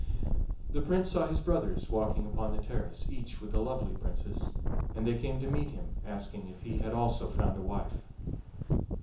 The Prince saw his brothers walking upon the terrace, each with a lovely princess, and they came to meet him, asking if he had also found a wife.